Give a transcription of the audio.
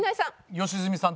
良純さん。